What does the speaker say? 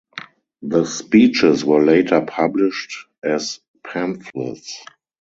The speeches were later published as pamphlets.